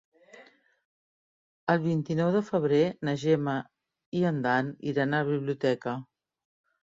El vint-i-nou de febrer na Gemma i en Dan iran a la biblioteca.